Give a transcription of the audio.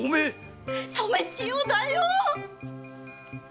染千代だよ‼